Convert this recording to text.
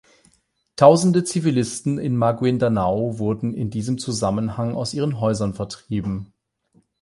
Tausende Zivilisten in Maguindanao wurden in diesem Zusammenhang aus ihren Häusern vertrieben.